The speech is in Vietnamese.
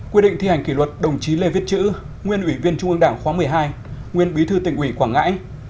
quy định thi hành kỷ luật đồng chí lê viết chữ nguyên ủy viên trung ương đảng khóa một mươi hai nguyên bí thư tỉnh ủy quảng ngãi